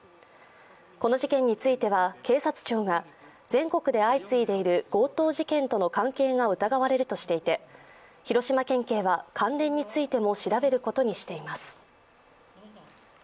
この事件については警察庁が全国で相次いでいる強盗事件との関係が疑われるとしていて広島県警は関連についても調べることにしています。